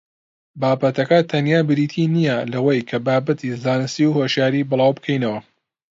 بابەتەکە تەنها بریتی نییە لەوەی کە بابەتی زانستی و هۆشیاری بڵاوبکەینەوە